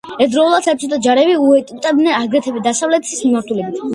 ერთდროულად საბჭოთა ჯარები უტევდნენ აგრეთვე დასავლეთის მიმართულებით.